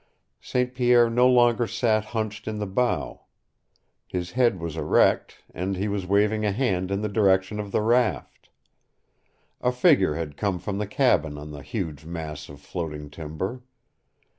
St. Pierre no longer sat hunched in the bow. His head was erect, and he was waving a hand in the direction of the raft. A figure had come from the cabin on the huge mass of floating timber.